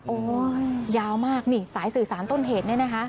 ยาวมากนี่สายสื่อสารต้นเหตุเนี่ยนะคะ